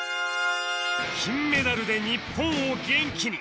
金メダルで日本を元気に